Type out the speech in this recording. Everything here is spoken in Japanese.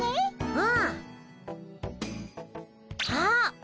うん。あっ！